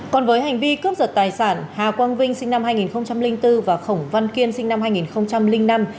còn với hành vi cướp giật tài sản hà quang vinh sinh năm hai nghìn bốn và khổng văn kiên sinh năm hai nghìn năm